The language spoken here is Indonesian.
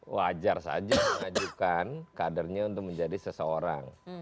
wajar saja mengajukan kadernya untuk menjadi seseorang